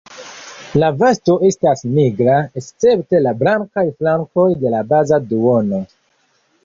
La vosto estas nigra escepte la blankaj flankoj de la baza duono.